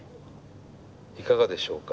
いかがでしょうか？